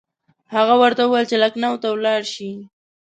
هغه ورته وویل چې لکنهو ته ولاړ شي.